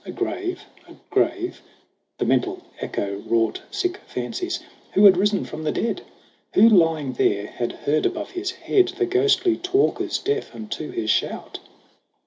A grave a grave the mental echo wrought Sick fancies ! Who had risen from the dead ? Who, lying there, had heard above his head The ghostly talkers deaf unto his shout